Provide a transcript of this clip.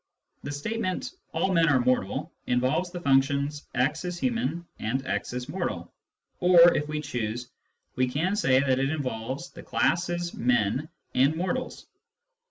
The statement " all men are mortal " involves the functions " x is human " and " x is mortal "; or, if we choose, we can say that it involves the classes men and mortals.